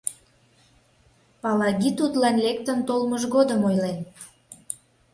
Палаги тудлан лектын толмыж годым ойлен: